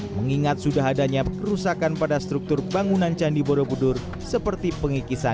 mengingat sudah adanya kerusakan pada struktur bangunan candi borobudur seperti pengikisan